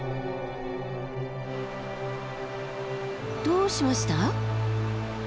どうしました？